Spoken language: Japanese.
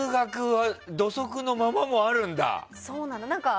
土足のままもあるんだ。